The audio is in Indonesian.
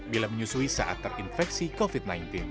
bila menyusui saat terinfeksi covid sembilan belas